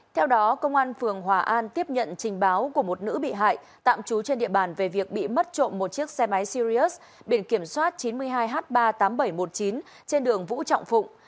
theo đó công an phường hòa an tiếp nhận trình báo của một nữ bị hại tạm trú trên địa bàn về việc bị mất trộm một chiếc xe máy sirius biển kiểm soát chín mươi hai h ba mươi tám nghìn bảy trăm một mươi chín trên đường vũ trọng phụng